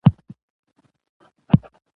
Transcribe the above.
عطر لګول